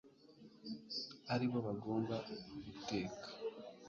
ari bo bagomba guteka